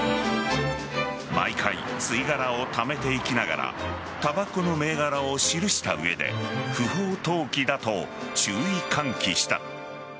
毎回、吸い殻をためていきながらたばこの銘柄を記した上で不法投棄だと注意喚起した。